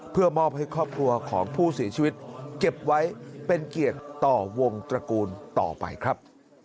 เพื่อมอบให้ครอบครัวของผู้เสียชีวิตเก็บไว้เป็นเกียรติต่อวงตระกูลต่อไปครับ